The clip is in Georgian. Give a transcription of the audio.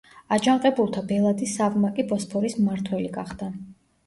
აჯანყებულთა ბელადი სავმაკი ბოსფორის მმართველი გახდა.